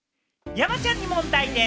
山ちゃんに問題です。